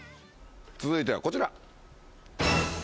続いてはこちら。